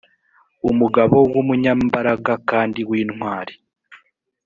umugabo w umunyambaraga kandi w intwari